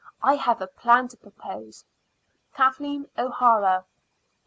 I have a plan to propose. KATHLEEN O'HARA.